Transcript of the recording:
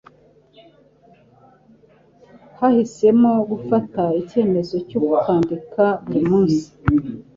Yahisemo gufata icyemezo cyo kwandika buri munsi.